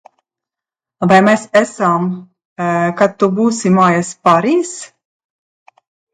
"Vai mēs esam "kad tu būsi mājās" pāris?"